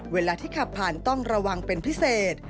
เวลาที่ขับผ่านต้องระวังเป็นพิเศษ